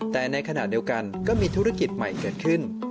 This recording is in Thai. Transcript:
แต่ในขณะเดียวกันก็มีธุรกิจใหม่เกิดขึ้น